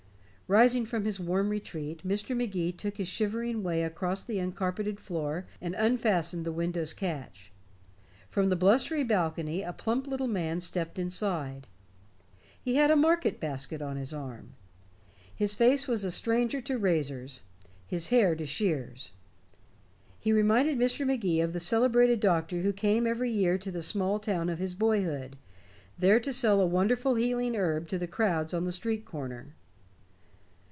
Rising from his warm retreat, Mr. Magee took his shivering way across the uncarpeted floor and unfastened the window's catch. From the blustering balcony a plump little man stepped inside. He had a market basket on his arm. His face was a stranger to razors; his hair to shears. He reminded Mr. Magee of the celebrated doctor who came every year to the small town of his boyhood, there to sell a wonderful healing herb to the crowds on the street corner.